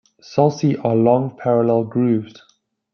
Sulci are long, parallel grooves.